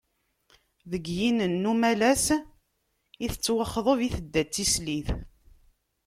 Deg yinen n umalas i tettwaxḍeb, i tedda d tislit.